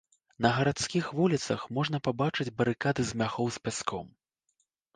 На гарадскіх вуліцах можна пабачыць барыкады з мяхоў з пяском.